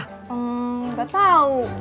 hmm gak tau